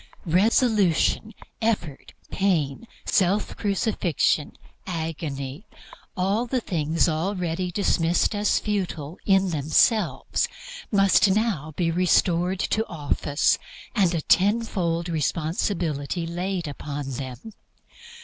Resolution, effort, pain, self crucifixion, agony all the things already dismissed as futile in themselves, must now be restored to office, and a tenfold responsibility laid upon them.